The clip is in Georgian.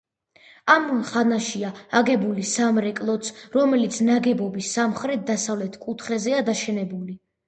ამ ხანაშია აგებული სამრეკლოც, რომელიც ნაგებობის სამხრეთ-დასავლეთ კუთხეზეა დაშენებული.